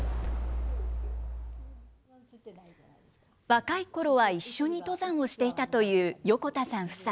若いころは一緒に登山をしていたという横田さん夫妻。